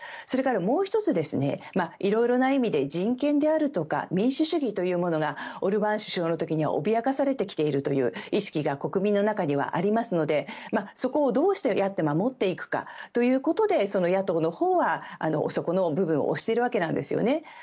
それからもう１ついろいろな意味で人権や民主主義というものがオルバーン首相の時には脅かされてきているという意識が国民の中にはありますのでそこをどうやって守っていくかということで野党のほうはそこの部分を推しているわけですね。